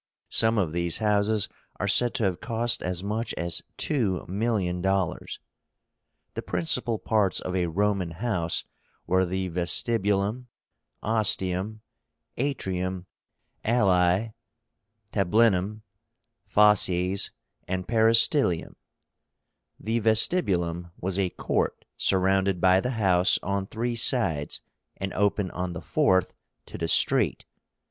Some of these houses are said to have cost as much as two million dollars. The principal parts of a Roman house were the Vestibulum, Ostium, Atrium, Alae, Tablínum, Fauces, and Peristylium. The VESTIBULUM was a court surrounded by the house on three sides, and open on the fourth to the street.